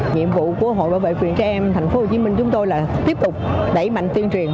nhiệm vụ của hội bảo vệ quyền trẻ em tp hcm chúng tôi là tiếp tục đẩy mạnh tuyên truyền